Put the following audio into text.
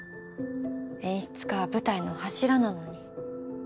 演出家は舞台の柱なのに。